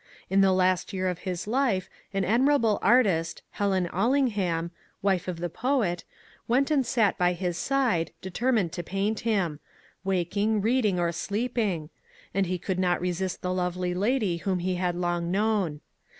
In the last year of his life an admirable artist, Helen Allingham (wife of the poet), went and sat by his side, determined to paint him, — waking, reading, or sleeping, — and he could not resist the lovely lady whom he CARLTLE 406 had long known.